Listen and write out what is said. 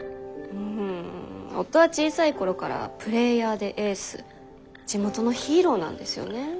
うん夫は小さいころからプレーヤーでエース地元のヒーローなんですよね。